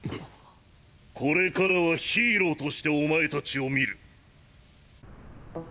これからはヒーローとしておまえ達を見る。